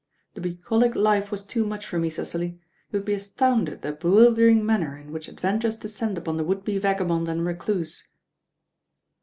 "The bucolic life was too much for me, Cecily. You would be astounded at the bewildering manner W THE RAIN GIRL in which adventures descend upon the would be vaga bond and recluse."